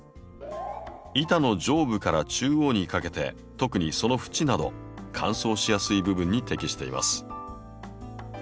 板の上部から中央にかけて特にその縁など乾燥しやすい部分に適しています。